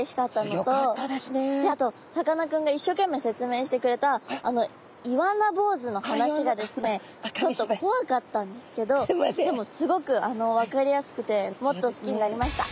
であとさかなクンがいっしょうけんめい説明してくれたあのイワナ坊主の話がですねちょっと怖かったんですけどでもすごく分かりやすくてもっと好きになりました。